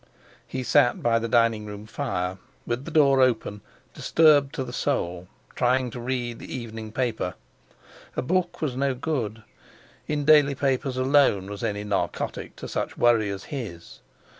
He sat by the dining room fire, with the door open, disturbed to the soul, trying to read the evening paper. A book was no good—in daily papers alone was any narcotic to such worry as his.